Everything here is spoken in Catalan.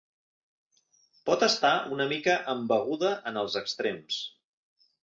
Pot estar una mica embeguda en els extrems.